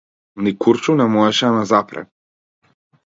Ни куршум не можеше да ме запре.